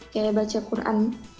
kayak baca quran